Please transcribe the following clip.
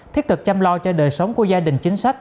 thiết thực chăm lo cho đời sống của gia đình chính sách